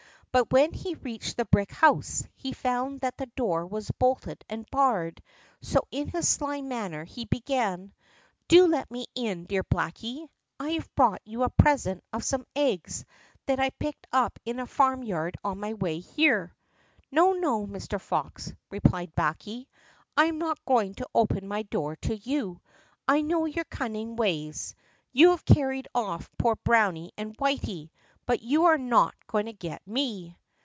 But when he reached the brick house he found that the door was bolted and barred, so in his sly manner he began: "Do let me in, dear Blacky. I have brought you a present of some eggs that I picked up in a farmyard on my way here." "No, no, Mr. Fox," replied Blacky, "I am not going to open my door to you. I know your cunning ways. You have carried off poor Browny and Whity, but you are not going to get me."